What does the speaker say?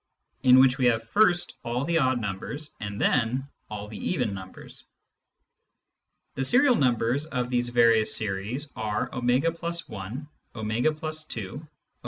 in which we have first all the odd numbers and then all the even numbers. The serial numbers of these various series are w f i, ou+2, w+3, .